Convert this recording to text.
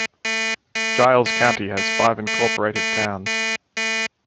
Giles County has five incorporated towns.